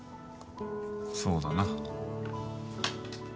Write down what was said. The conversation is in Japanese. そうだな。